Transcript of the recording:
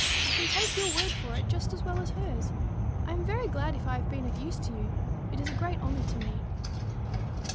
I can take your word for it just as well as hers. I am very glad if I have been of any use to you. It is a great honor to me."